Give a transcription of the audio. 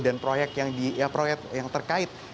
dan proyek yang terkait